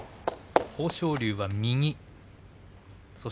豊昇龍は右です。